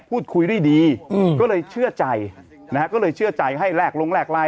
พูดคุยได้ดีอืมก็เลยเชื่อใจนะฮะก็เลยเชื่อใจให้แลกลงแรกไลน